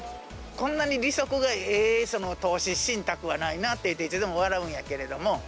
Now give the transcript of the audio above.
こんなに利息がええ投資信託はないなって、いつでも笑うんやけど。